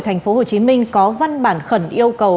thành phố hồ chí minh có văn bản khẩn yêu cầu